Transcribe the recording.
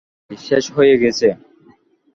হাঁ ভাই, শেষ হইয়া গেছে।